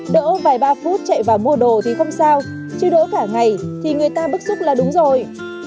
đỗ vài ba phút chạy vào mua đồ thì không sao chứ đỗ cả ngày thì người ta bức xúc là đúng rồi